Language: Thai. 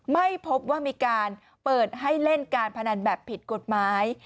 ไม่พบว่ามีการเปิดให้เล่นการพนันแบบผิดกฎหมาย